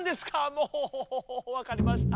もうわかりました。